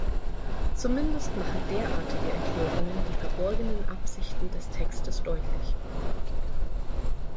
Zumindest machen derartige Erklärungen die verborgenen Absichten des Textes deutlich.